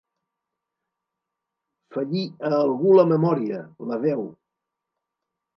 Fallir a algú la memòria, la veu.